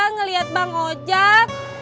ngeliat bang ojak